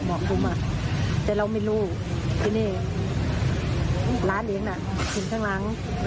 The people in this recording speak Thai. คุ้มแต่เราไม่รู้ที่นี่ร้านเลี้ยงน่ะกินข้างหลัง